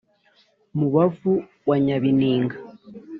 mubavu wa nyabininga